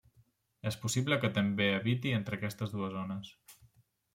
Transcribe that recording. És possible que també habiti entre aquestes dues zones.